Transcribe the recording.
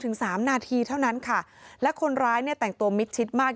สามนาทีเท่านั้นค่ะและคนร้ายเนี่ยแต่งตัวมิดชิดมาก